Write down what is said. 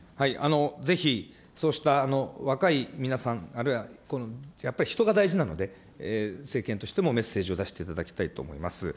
ぜひそうした若い皆さん、あるいはやっぱり人が大事なので、政権としてもメッセージを出していただきたいと思います。